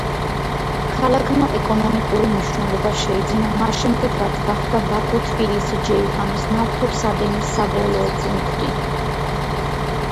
ქალაქმა ეკონომიკური მნიშვნელობა შეიძინა მას შემდეგ რაც გახდა ბაქო-თბილისი-ჯეიჰანის ნავთობსადენის საბოლოო პუნქტი.